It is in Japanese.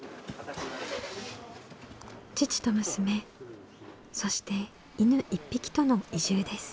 父と娘そして犬１匹との移住です。